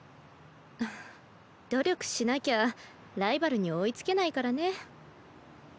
あ努力しなきゃライバルに追いつけないからね。